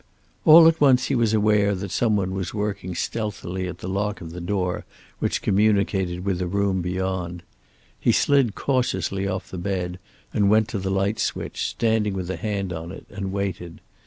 All at once he was aware that some one was working stealthily at the lock of the door which communicated with a room beyond. He slid cautiously off the bed and went to the light switch, standing with a hand on it, and waited.